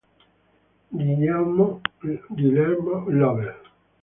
Guillermo Lovell